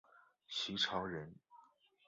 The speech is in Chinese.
徐潮人。